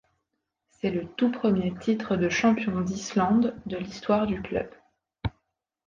C'est le tout premier titre de champion d'Islande de l'histoire du club.